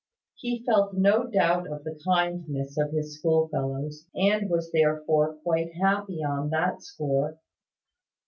He felt no doubt of the kindness of his schoolfellows, and was therefore quite happy on that score.